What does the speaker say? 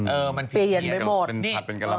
เออมันเผี้ยเย็นไปหมดเป็นกรรมัน